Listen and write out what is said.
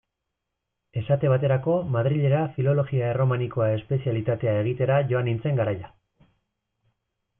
Esate baterako, Madrilera Filologia Erromanikoa espezialitatea egitera joan nintzen garaia.